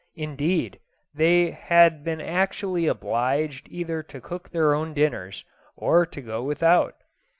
Indeed, they had been actually obliged either to cook their own dinners, or to go without.